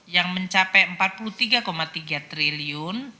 yang mencapai rp empat puluh tiga tiga triliun